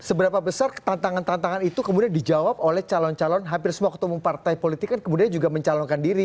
seberapa besar tantangan tantangan itu kemudian dijawab oleh calon calon hampir semua ketua umum partai politik kan kemudian juga mencalonkan diri